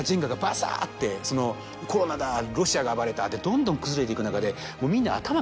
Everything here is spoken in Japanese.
コロナだロシアが暴れたってどんどん崩れていく中でもう。